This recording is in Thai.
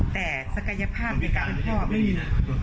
แต่ศักยภาพในการเป็นพ่อไม่มีเลย